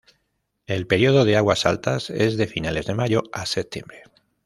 El período de aguas altas es de finales de mayo a septiembre.